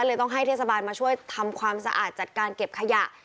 ต้องให้เทศบาลมาช่วยทำความสะอาดจัดการเก็บขยะ